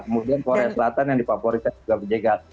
kemudian korea selatan yang dipavorikan juga berjegal